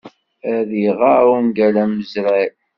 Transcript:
Ad iɣer ungal amezray.